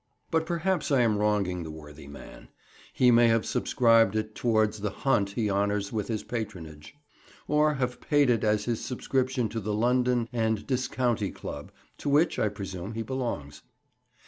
But perhaps I am wronging the worthy man; he may have subscribed it towards the Hunt he honours with his patronage, or have paid it as his subscription to the London and Discounty Club, to which, I presume, he belongs.